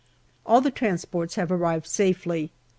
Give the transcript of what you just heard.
All the transports have arrived safely.